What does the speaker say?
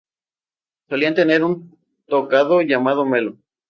Solían tener un tocado llamado melo.